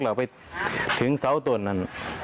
เราไปถึงซาวตรงนั้น